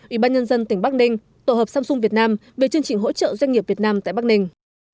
ủy ban nhân dân tỉnh bắc ninh tổ hợp samsung việt nam về chương trình hỗ trợ doanh nghiệp việt nam tại bắc ninh